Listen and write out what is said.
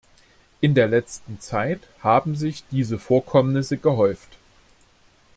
In der letzten Zeit haben sich diese Vorkommnisse gehäuft.